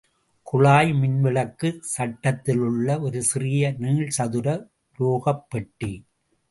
குழாய் மின்விளக்குச் சட்டத்திலுள்ள ஒரு சிறிய நீள்சதுர உலோகப்பெட்டி.